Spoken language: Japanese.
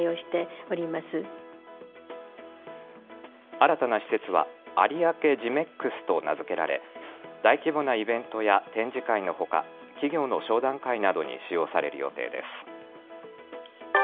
新たな施設は有明ＧＹＭ−ＥＸと名付けられ大規模なイベントや展示会のほか企業の商談会などに使用される予定です。